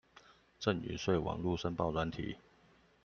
贈與稅網路申報軟體